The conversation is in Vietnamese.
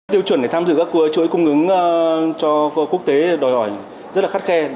tiêu chuẩn để tham dự các chuỗi cung ứng cho quốc tế đòi hỏi rất là khắt khe